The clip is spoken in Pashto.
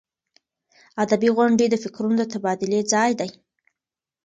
ادبي غونډې د فکرونو د تبادلې ځای دی.